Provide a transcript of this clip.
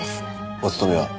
お勤めは？